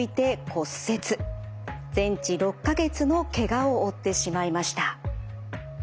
全治６か月のケガを負ってしまいました。